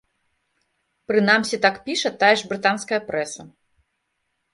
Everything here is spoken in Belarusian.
Прынамсі так піша тая ж брытанская прэса.